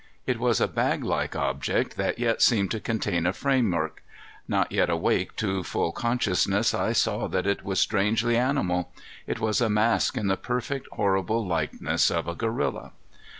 It was a baglike object, that yet seemed to contain a framework. Not yet awake to full consciousness, I saw that it was strangely animal. It was a mask in the perfect, horrible likeness of a gorilla.